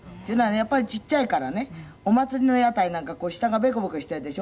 やっぱりちっちゃいからねお祭りの屋台なんか下がベコボコしているでしょ」